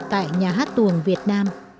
tại nhà hát tuồng việt nam